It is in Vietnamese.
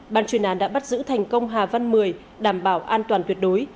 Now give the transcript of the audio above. ban chuyển án đã bắt giữ thành công hà văn một mươi đảm bảo an toàn tuyệt đối